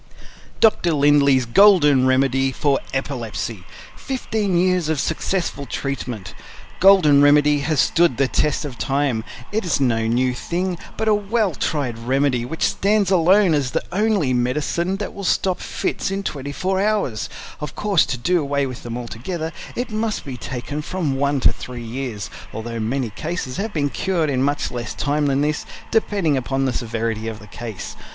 Dr. Lindley's Golden Remedy FOR EPILEPSY 15 Years of Successful Treatment Golden Remedy has stood the test of time; it is no new thing, but a well tried remedy which stands alone as the only medicine that will stop Fits in 24 hours; of course to do away with them altogether it must be taken from 1 to 3 years, although many cases have been cured in much less time than this, depending upon the severity of the case.